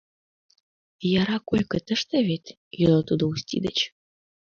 — Яра койко тыште вет? — йодо тудо Усти деч.